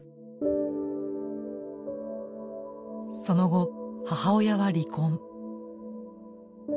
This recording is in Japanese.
その後母親は離婚。